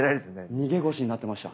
逃げ腰になってました。